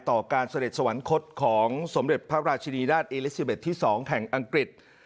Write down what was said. ต่อการเสด็จสวรรคตของสมเด็จพระราชินีราชอิลิซิเบสที่๒แห่งอังกฤษ